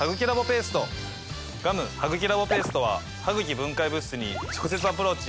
ガム・ハグキラボペーストはハグキ分解物質に直接アプローチ。